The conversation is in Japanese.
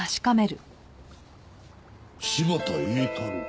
「柴田英太郎」。